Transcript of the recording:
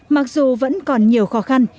mặc dù vẫn còn nhiều khó khăn